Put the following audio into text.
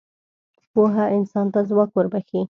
پوهه انسان ته ځواک وربخښي.